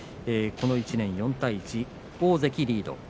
この１年、４対１、大関リード。